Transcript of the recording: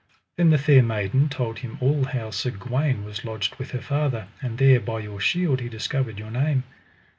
Then the fair maiden told him all how Sir Gawaine was lodged with her father: And there by your shield he discovered your name.